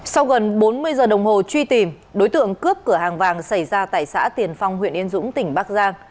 sau gần bốn mươi giờ đồng hồ truy tìm đối tượng cướp cửa hàng vàng xảy ra tại xã tiền phong huyện yên dũng tỉnh bắc giang